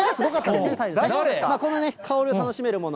この香りを楽しめるもの。